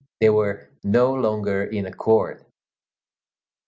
They were no longer in accord.